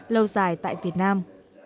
lâu dài tại việt nam